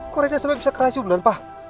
kok rena sampe bisa keracunan pak